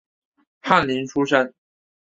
翰林出身。